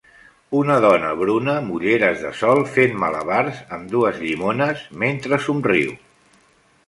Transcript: Una dona morena amb ulleres de sol fent malabars amb dues llimones mentre somriu.